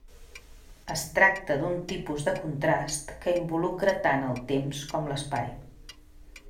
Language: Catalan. Es tracta d'un tipus de contrast que involucra tant el temps com l'espai.